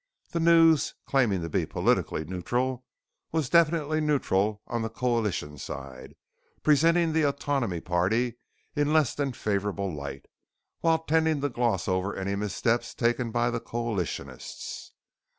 The News, claiming to be politically neutral, was definitely neutral on the coalition side, presenting the autonomy party in less than favorable light, while tending to gloss over any missteps taken by the coalitionists.